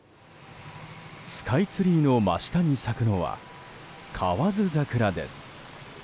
スカイツリーの真下に咲くのは河津桜です。